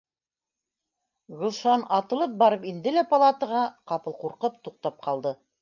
Гөлшан атылып барып инде лә палатаға, ҡапыл ҡурҡып, туҡтап ҡалды